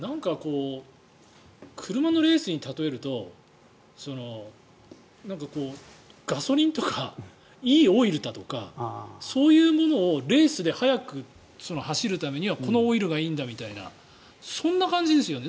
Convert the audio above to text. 車のレースに例えるとガソリンとかいいオイルだとかそういうものをレースで速く走るためにはこのオイルがいいんだみたいなそんな感じですよね。